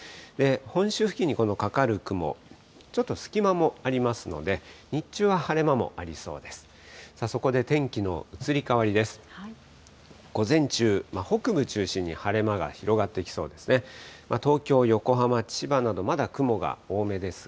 本州付近にこのかかる雲、ちょっと隙間もありますので、日中は晴れ間もありそうです。